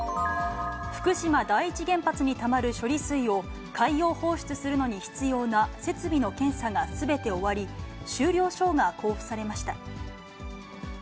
福島第一原発にたまる処理水を海洋放出するのに必要な設備の検査がすべて終わり、終了証が交付されました。